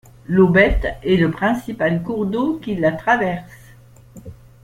L'Aubette est le principal cours d'eau qui la traverse.